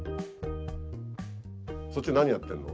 そっち何やってんの？